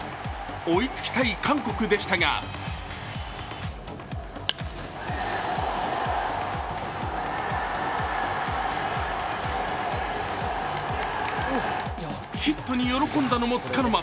追いつきたい韓国でしたがヒットに喜んだのもつかの間。